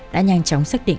đã nhanh chóng xác định